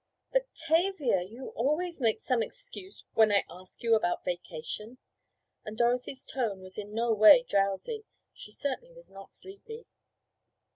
"But, Tavia, you always make some excuse when I ask you about vacation," and Dorothy's tone was in no way drowsy—she certainly was not sleepy.